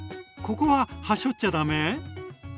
ここははしょっちゃ駄目？